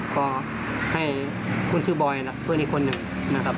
ก็ให้คุณชื่อบอยคุณอีกคนนึงนะครับ